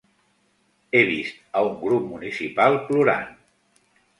He vist a un grup municipal plorant.